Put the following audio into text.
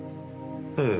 ええ。